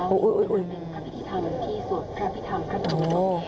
โอ้โห